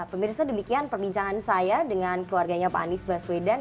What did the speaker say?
pemirsa demikian perbincangan saya dengan keluarganya pak anies baswedan